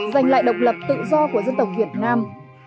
giành lại độc lập tự do của dân tộc việt nam